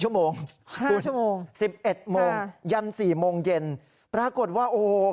๕ชั่วโมงคุณสิบเอ็ดโมงยัน๔โมงเย็นปรากฏว่าโอ้โห